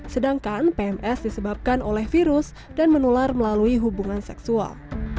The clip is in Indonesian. sedangkan pms disebabkan oleh virus dan menular melalui hubungan seksual